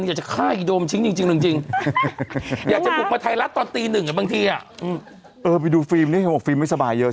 เออไปดูฟิล์มนี้มีฟิล์มนี้ไม่สบายเยอะ